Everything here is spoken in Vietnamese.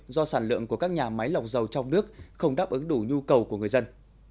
do sản lượng của các nhà máy lọc dầu trong nước không đáp ứng đủ nhu cầu của người dân